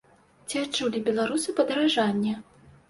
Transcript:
Ці адчулі беларусы падаражанне?